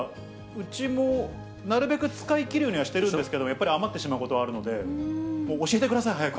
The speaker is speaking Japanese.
うちもなるべく使いきるようにはしてるんですけれども、やっぱり余ってしまうことがあるので、教えてください、早く。